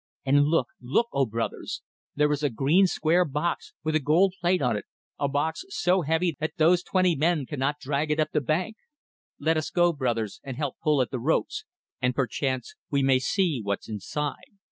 And look, look, O Brothers! There is a green square box, with a gold plate on it, a box so heavy that those twenty men cannot drag it up the bank. Let us go, brothers, and help pull at the ropes, and perchance we may see what's inside.